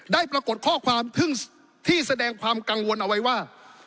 ได้ปรากฏข้อความถึงที่แสดงความกังวลเอาไว้ว่า